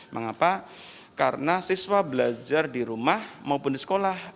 mengapa karena siswa belajar di rumah maupun di sekolah